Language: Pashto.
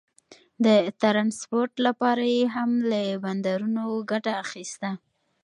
د ټرانسپورټ لپاره یې هم له بندرونو ګټه اخیسته.